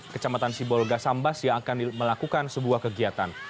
kecamatan sibolga sambas yang akan melakukan sebuah kegiatan